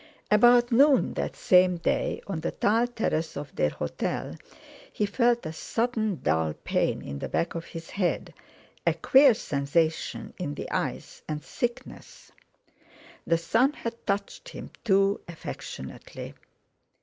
About noon that same day, on the tiled terrace of their hotel, he felt a sudden dull pain in the back of his head, a queer sensation in the eyes, and sickness. The sun had touched him too affectionately.